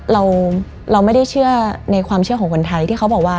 เราไม่ได้เชื่อในความเชื่อของคนไทยที่เขาบอกว่า